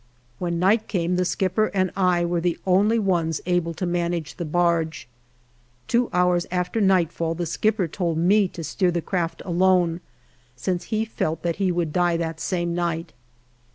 When night came the skipper and I were the only ones able to manage the barge. Two hours after nightfall the skipper told me to steer the craft alone, since he felt that he would die that same night.